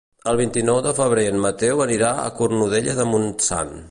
El vint-i-nou de febrer en Mateu anirà a Cornudella de Montsant.